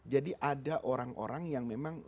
jadi ada orang orang yang memang